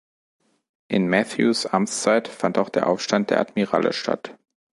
In Matthews' Amtszeit fand auch der Aufstand der Admirale statt.